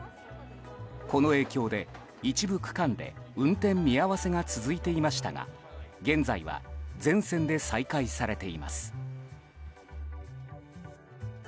この影響で一部区間で運転見合わせが続いていましたが現在は全線で再開されています。